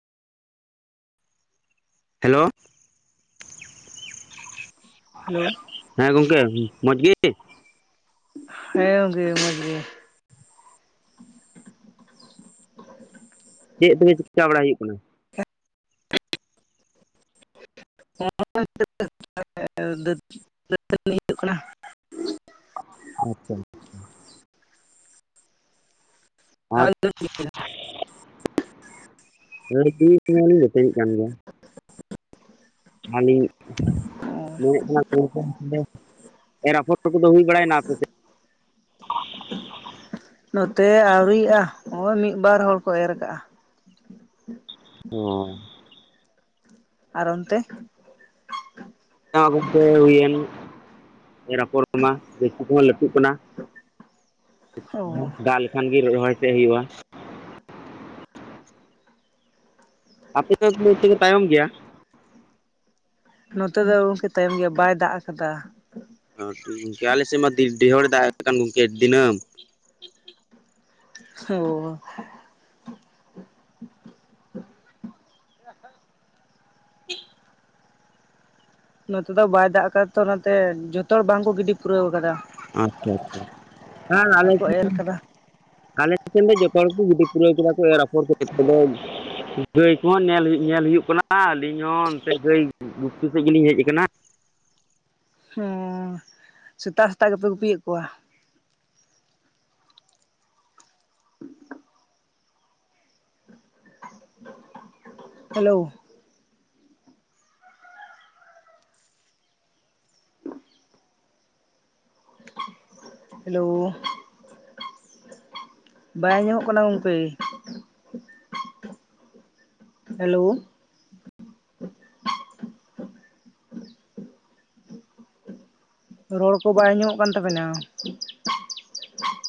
Hello hello ᱦᱮᱸ ᱜᱚᱝᱠᱮ ᱢᱚᱡᱽ ᱜᱮ? ᱦᱮᱸ ᱜᱚᱝᱠᱮ ᱢᱚᱡᱽ ᱜᱮ ᱪᱮᱫ ᱛᱚᱵᱮ ᱪᱤᱜᱠᱟ ᱵᱟᱲᱟ ᱦᱩᱭᱩᱜ ᱠᱟᱱᱟ? [inaudible] ᱟᱪᱪᱷᱟ ᱟᱨ [inaudible] [unintelligible] ᱠᱟᱱ ᱜᱤᱭᱟ ᱟᱞᱤᱝ ᱢᱮᱱᱮᱫ ᱛᱟᱦᱮᱱᱟ ᱠᱟᱱᱟ ᱜᱚᱝᱠᱮ ᱛᱟᱦᱞᱮ ᱮᱨ ᱟᱯᱷᱚᱨ ᱠᱚᱫᱚ ᱦᱩᱭ ᱵᱟᱲᱟᱭᱱᱟ ᱟᱯᱮᱥᱮᱜ? ᱱᱚᱛᱮ ᱟᱹᱣᱨᱨᱤᱜᱼᱟ ᱱᱚᱜ-ᱚᱭ ᱢᱤᱫ ᱵᱟᱨ ᱦᱚᱲ ᱠᱚ ᱮᱨ ᱠᱟᱜᱼᱟ ᱾ ᱚ ᱟᱨ ᱚᱱᱛᱮ? ᱟᱸ ᱜᱚᱢᱠᱮ ᱦᱩᱭᱮᱱ ᱮᱨ ᱟᱯᱷᱚᱨ ᱢᱟ [unintelligible] ᱠᱚᱦᱚᱸ ᱞᱟᱹᱴᱩᱜ ᱠᱟᱱᱟ ᱚ ᱾ ᱫᱟᱜ ᱞᱮᱠᱷᱟᱱ ᱜᱮ ᱨᱚᱦᱚᱭ ᱥᱮᱜ ᱦᱳᱭᱳᱜᱼᱟ ᱾ ᱟᱯᱮ ᱫᱚ ᱛᱟᱦᱞᱮᱯᱮ ᱛᱟᱭᱚᱢ ᱜᱮᱭᱟ? ᱱᱚᱛᱮ ᱫᱚ ᱜᱚᱝᱠᱮ ᱛᱟᱭᱚᱢ ᱜᱮᱭᱟ ᱵᱟᱭ ᱫᱟᱜ ᱠᱟᱫᱟ ᱾ ᱚ ᱴᱷᱤᱠ ᱠᱮ ᱟᱞᱮ ᱥᱮᱫᱜ ᱢᱟ ᱰᱤ-ᱰᱤᱦᱚᱲ ᱫᱟᱜ ᱠᱟᱱ ᱜᱚᱝᱠᱮ ᱫᱤᱱᱟᱹᱢ ᱾ ᱚ ᱱᱚᱛᱮ ᱫᱚ ᱵᱟᱭ ᱫᱟᱜ ᱟᱠᱟᱫᱟ ᱛᱚ ᱱᱚᱛᱮ ᱡᱷᱚᱛᱚ ᱦᱚᱲ ᱵᱟᱝ ᱠᱚ ᱜᱤᱰᱤ ᱯᱩᱨᱟᱹᱣ ᱠᱟᱫᱟ ᱾ ᱟᱪᱪᱷᱟ ᱟᱪᱪᱷᱟ ᱦᱮᱸ ᱟᱞᱮ ᱵᱟᱠᱚ ᱮᱨ ᱥᱮᱱ ᱟᱠᱟᱫᱟ ᱟᱞᱮ ᱥᱮᱱ ᱫᱚ ᱡᱚᱛᱚ ᱦᱚᱲ ᱜᱮ ᱠᱚ ᱜᱤᱰᱤ ᱯᱩᱨᱟᱹᱣ ᱠᱮᱫᱟ ᱠᱚ ᱮᱨ ᱟᱯᱷᱚᱨ [inaudible] ᱜᱟᱹᱭ ᱠᱚᱦᱚᱸ ᱱᱮᱞ-ᱧᱮᱞ ᱦᱩᱭᱩᱜ ᱠᱟᱱᱟ ᱟᱹᱞᱤᱧ ᱦᱚᱸ ᱱᱚᱱᱛᱮ ᱜᱟᱹᱭ ᱰᱩᱯᱠᱟᱹ ᱥᱮᱫ ᱜᱮᱞᱤᱧ ᱦᱮᱡ ᱟᱠᱟᱱᱟ ᱦᱮᱸ ᱥᱮᱛᱟᱜ ᱥᱮᱛᱟᱜ ᱜᱮᱯᱮ ᱜᱩᱯᱤᱭᱮᱫ ᱠᱚᱣᱟ? ᱦᱮᱞᱳ ᱦᱮᱞᱳ ᱵᱟᱭ ᱟᱡᱚᱢᱚᱜ ᱠᱟᱱᱟ ᱜᱚᱢᱠᱮ ᱦᱮᱞᱳ ᱨᱚᱲ ᱠᱚ ᱵᱟᱭ ᱟᱡᱚᱢᱚᱜ ᱠᱟᱱ ᱛᱟᱵᱮᱱᱟ